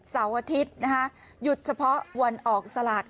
เสาร์อาทิตย์นะคะหยุดเฉพาะวันออกสลาก